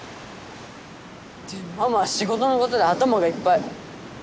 でもママは仕事のことで頭がいっぱい。